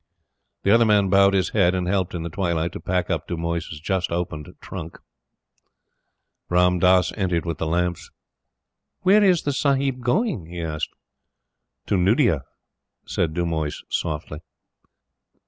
The other man bowed his head, and helped, in the twilight, to pack up Dumoise's just opened trunks. Ram Dass entered with the lamps. "Where is the Sahib going?" he asked. "To Nuddea," said Dumoise, softly.